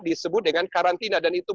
disebut dengan karantina dan itu